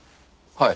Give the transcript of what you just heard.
はい。